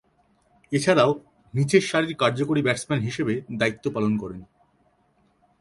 এছাড়াও নিচের সারির কার্যকরী ব্যাটসম্যান হিসেবে দায়িত্ব পালন করেন।